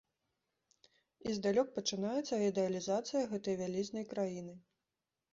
І здалёк пачынаецца ідэалізацыя гэтай вялізнай краіны.